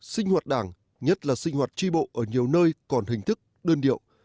sinh hoạt đảng nhất là sinh hoạt tri bộ ở nhiều nơi còn hình thức đơn điệu